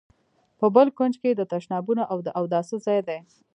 په بل کونج کې یې تشنابونه او د اوداسه ځای دی.